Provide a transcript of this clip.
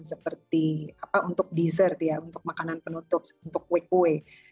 seperti apa untuk dessert ya untuk makanan penutup untuk kue kue